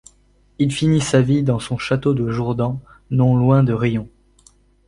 Il finit sa vie dans son château de Jourdan, non loin de Rions.